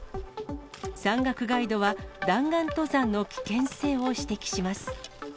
山岳ガイドは、弾丸登山の危険性を指摘します。